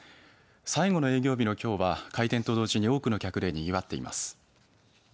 最後の営業日のきょうは開店と同時に多くの客でにぎわっています。